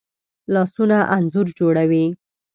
لاسونه انځور جوړوي